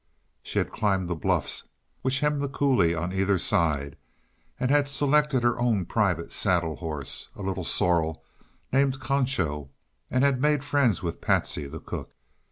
She had climbed the bluffs which hemmed the coulee on either side, had selected her own private saddle horse, a little sorrel named Concho, and had made friends with Patsy, the cook.